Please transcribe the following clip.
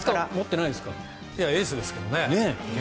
エースですけどね。